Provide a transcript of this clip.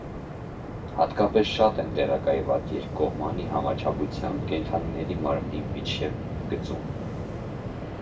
Հատկապես շատ են տեղակայված երկկողմանի համաչափությամբ կենդանիների մարմնի միջին գծում։